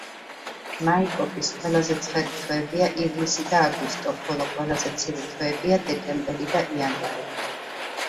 მაიკოპის ყველაზე ცხელი თვეებია ივლისი და აგვისტო, ხოლო ყველაზე ცივი თვეებია დეკემბერი და იანვარი.